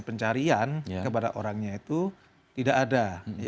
kemudian dilakukan pencarian kepada orangnya itu tidak ada